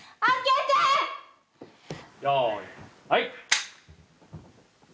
用意はい。